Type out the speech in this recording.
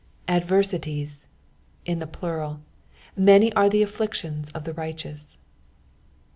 AdveriUiet in the plural—" Hany are the afflictions of the righteous."